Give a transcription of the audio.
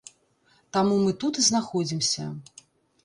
Таму мы тут і знаходзімся.